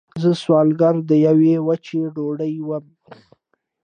زه سوالګره د یوې وچې ډوډۍ یم